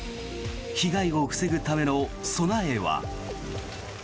被害を防ぐための備えは。